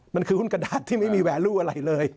มันคือหุ้นกระดาษที่ไม่มีแวร์รูอะไรเลย